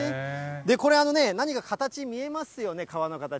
これ、何か形見えますよね、川の形。